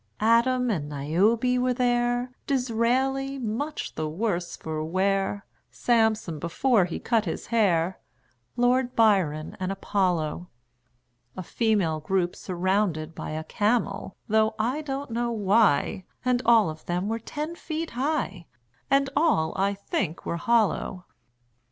Adam and Niobe were there, Disraeli much the worse for wear, Samson before he'd cut his hair, Lord Byron and Apollo; A female group surrounded by A camel (though I don't know why) And all of them were ten feet high And all, I think, were hollow.